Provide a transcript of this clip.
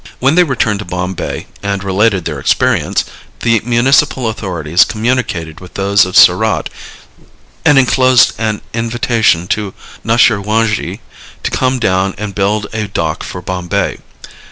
When they returned to Bombay and related their experience, the municipal authorities communicated with those of Surat and inclosed an invitation to Naushirwanji to come down and build a dock for Bombay.